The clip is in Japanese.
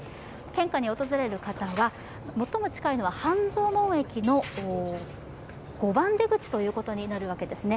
献花に訪れる方は、最も近いのは半蔵門駅の５番出口となるわけですね。